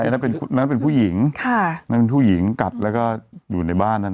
อันนั้นเป็นอันนั้นเป็นผู้หญิงค่ะนั่นเป็นผู้หญิงกัดแล้วก็อยู่ในบ้านนั่น